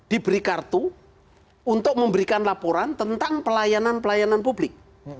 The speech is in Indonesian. diberi kartu untuk memberikan laporan tentang pelayanan pelayanan publik